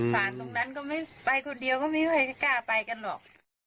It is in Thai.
สารตรงนั้นก็ไม่ไปคนเดียวก็ไม่มีใครกล้าไปกันหรอก